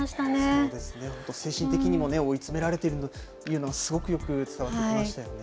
そうですね、精神的にもね、追い詰められているというのがすごくよく伝わってきましたよね。